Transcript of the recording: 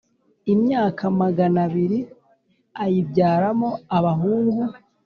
imyaka magana abiri ayibyaramo abahungu